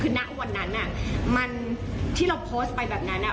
คือณวันนั้นที่เราโพสต์ไปแบบนั้น